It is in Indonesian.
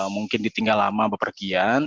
mungkin ditinggal lama bepergian